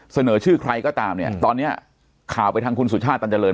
เสนอชื่อใครก็ตามเนี่ยตอนเนี้ยข่าวไปทางคุณสุชาติตันเจริญ